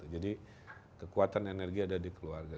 jadi kekuatan energi ada di keluarga